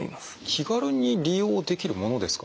気軽に利用できるものですか？